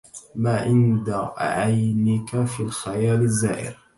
ما عند عينك في الخيال الزائر